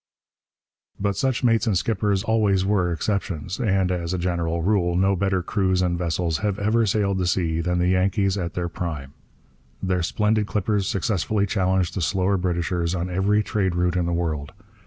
But such mates and skippers always were exceptions; and, as a general rule, no better crews and vessels have ever sailed the sea than the Yankees at their prime. Their splendid clippers successfully challenged the slower Britishers on every trade route in the world.